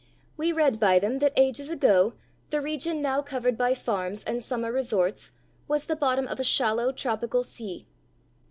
We read by them that ages ago the region now covered by farms and summer resorts was the bottom of a shallow, tropical sea.